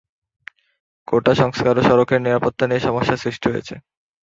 কোটা সংস্কার ও সড়কের নিরাপত্তা নিয়ে সমস্যা সৃষ্টি হয়েছে।